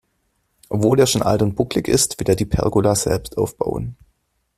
Obwohl er schon alt und bucklig ist, will er die Pergola selbst aufbauen.